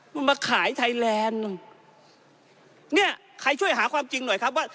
มันมาขายไทยแลนด์เนี่ยใครช่วยหาความจริงหน่อยครับว่า